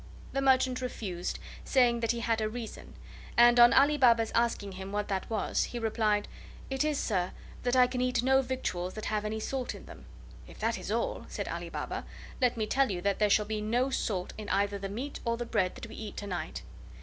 The merchant refused, saying that he had a reason; and, on Ali Baba's asking him what that was, he replied: "It is, sir, that I can eat no victuals that have any salt in them." "If that is all," said Ali Baba, "let me tell you that there shall be no salt in either the meat or the bread that we eat to night."